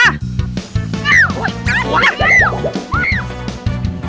อุ๊ยเป็นไง